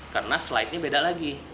karena slide nya beda lagi